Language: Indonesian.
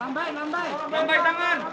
nambai nambai nambai tangan